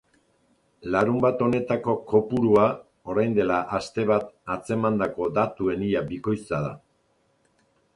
Larunbat honetako kopurua orain dela aste bat atzemandako datuen ia bikoitza da.